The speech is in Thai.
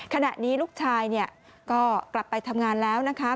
ขณะนี้ลูกชายก็กลับไปทำงานแล้วนะคะ